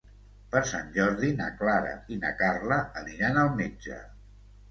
Per Sant Jordi na Clara i na Carla aniran al metge.